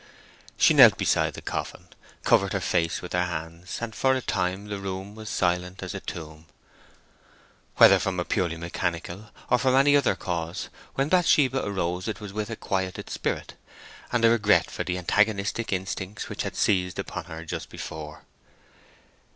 She knelt beside the coffin, covered her face with her hands, and for a time the room was silent as a tomb. Whether from a purely mechanical, or from any other cause, when Bathsheba arose it was with a quieted spirit, and a regret for the antagonistic instincts which had seized upon her just before.